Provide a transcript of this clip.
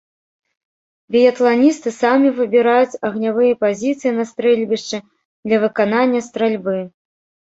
Біятланісты самі выбіраюць агнявыя пазіцыі на стрэльбішчы для выканання стральбы.